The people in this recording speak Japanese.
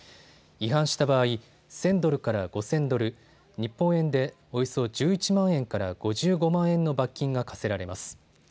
違反した場合、１０００ドルから５０００ドル、日本円でおよそ１１万円から５５万円の罰金が科せられます。